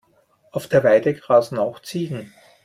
Auf der Weide grasen auch Ziegen.